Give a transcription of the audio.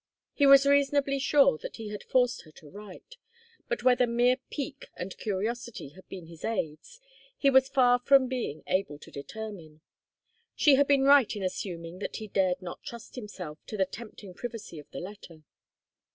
He was reasonably sure that he had forced her to write, but whether mere pique and curiosity had been his aides, he was far from being able to determine. She had been right in assuming that he dared not trust himself to the tempting privacy of the letter.